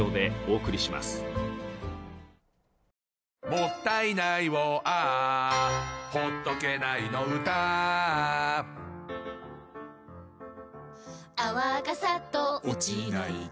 「もったいないをＡｈ」「ほっとけないの唄Ａｈ」「泡がサッと落ちないと」